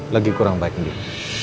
lagi kurang baik nih